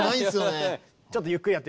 ちょっとゆっくりやってみますよ。